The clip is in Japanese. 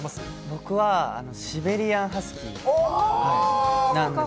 僕はシベリアンハスキーなんですけど。